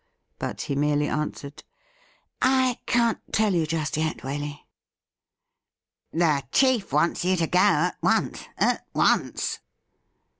But he merely answered :' I can't tell you just yet, Waley.' ' The chief wants you to go at once — at once.'